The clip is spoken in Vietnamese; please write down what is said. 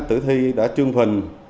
tử thi đã trương phần